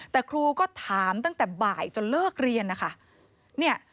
แต่ครูก็ถามตั้งแต่บ่ายจนเลิกเรียนนะคะ